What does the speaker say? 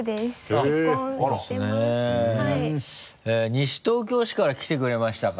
西東京市から来てくれましたか。